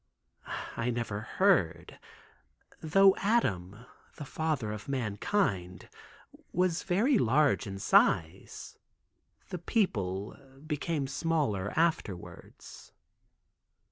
"I never heard, though Adam, the father of all mankind, was very large in size, the people became smaller afterwards."